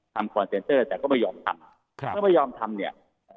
ทำคอนเซนเตอร์แต่ก็ไม่ยอมทำครับถ้าไม่ยอมทำเนี่ย